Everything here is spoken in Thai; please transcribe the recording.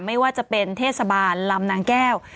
ไม่ว่าจะเป็นเทศบาลลำนางแก้ว